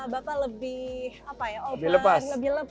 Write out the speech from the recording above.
bapak lebih apa ya lebih lepas